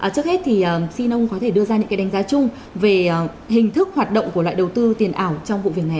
trước hết thì xin ông có thể đưa ra những đánh giá chung về hình thức hoạt động của loại đầu tư tiền ảo trong vụ việc này